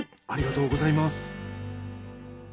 ありがとうございます。